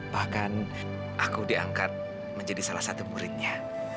bahkan aku diangkat menjadi salah satu muridnya